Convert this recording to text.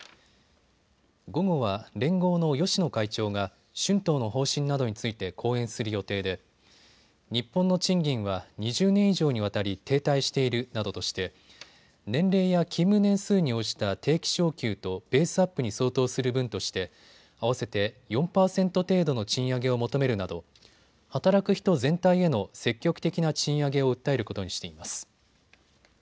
午後は連合の芳野会長が春闘の方針などについて講演する予定で日本の賃金は２０年以上にわたり停滞しているなどとして年齢や勤務年数に応じた定期昇給とベースアップに相当する分として合わせて４％程度の賃上げを求めるなど働く人全体への積極的な賃上げを訴えることにしています。